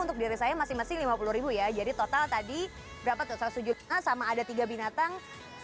untuk diri saya masing masing lima puluh ya jadi total tadi berapa tuh sujud sama ada tiga binatang satu ratus lima puluh